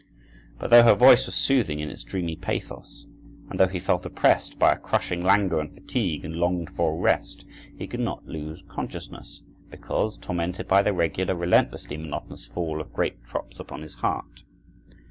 But though her voice was soothing in its dreamy pathos, and though he felt oppressed by a crushing languor and fatigue and longed for rest, he could not lose consciousness, because tormented by the regular, relentlessly monotonous fall of great drops upon his heart.